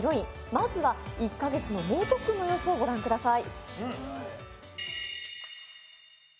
まずは１か月の猛特訓の様子をご覧ください。